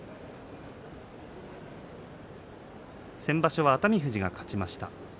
先場所は熱海富士が勝ちました。